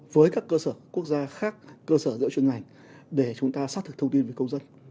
với các cơ sở quốc gia khác cơ sở giữa chuyên ngành để chúng ta xác thực thông tin với công dân